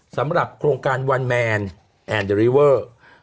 สำหรับโครงการวันแมนแอนเดอริเวอร์